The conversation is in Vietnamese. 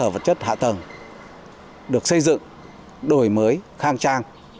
kinh tế phát triển cơ sở vật chất hạ tầng được xây dựng đổi mới khang trang